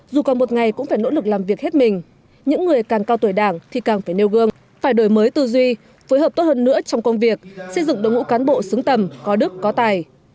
dù còn một ngày cũng phải nỗ lực làm việc hết mình những người càng cao tuổi đảng thì càng phải nêu gương phải đổi mới tư duy phối hợp tốt hơn nữa trong công việc xây dựng đồng hữu cán bộ xứng tầm có đức có tài